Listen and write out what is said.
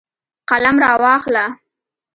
قلم راواخله